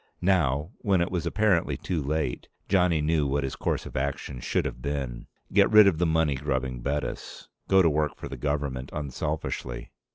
Now, when it was apparently too late, Johnny knew what his course of action should have been. Get rid of the money grubbing Bettis. Go to work for the government unselfishly.